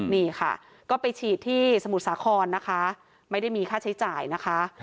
นี่ค่ะก็ไปฉีดที่สมุทรสาครนะคะไม่ได้มีค่าใช้จ่ายนะคะ